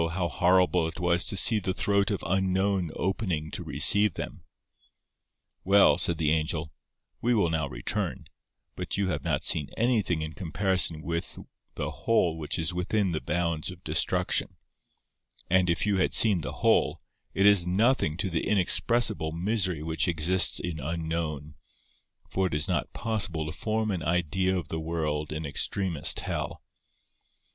how horrible it was to see the throat of Unknown opening to receive them! "Well!" said the Angel, "we will now return; but you have not seen anything in comparison with the whole which is within the bounds of Destruction, and if you had seen the whole, it is nothing to the inexpressible misery which exists in Unknown, for it is not possible to form an idea of the world in extremest hell."